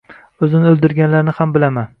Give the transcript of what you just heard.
Oʻzini oʻldirganlarni ham bilaman